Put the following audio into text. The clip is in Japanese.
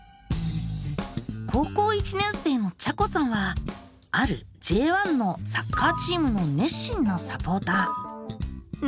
高校１年生のちゃこさんはあるＪ１のサッカーチームの熱心なサポーター。